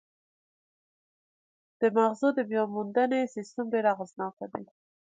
د مغزو د بیاموندنې سیستم ډېر اغېزناک دی.